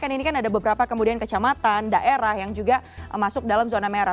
kan ini kan ada beberapa kemudian kecamatan daerah yang juga masuk dalam zona merah